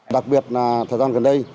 đặc biệt là thời gian gần đây